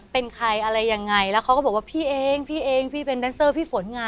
เป็นใครอะไรยังไงแล้วเขาก็บอกว่าพี่เองพี่เองพี่เป็นแดนเซอร์พี่ฝนไง